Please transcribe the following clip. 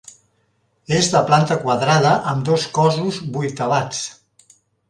És de planta quadrada amb dos cossos vuitavats.